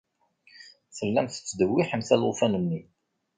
Tellamt tettdewwiḥemt alufan-nni.